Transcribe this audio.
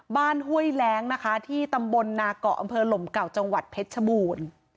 ห้วยแร้งนะคะที่ตำบลนาเกาะอำเภอหลมเก่าจังหวัดเพชรชบูรณ์